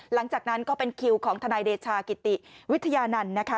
หลังจากนั้นก็เป็นคิวของทนายเดชากิติวิทยานันต์นะคะ